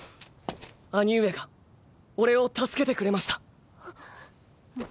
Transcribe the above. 兄上が俺を助けてくれました。